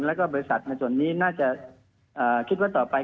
แล้วก็บริษัทในส่วนนี้น่าจะคิดว่าต่อไป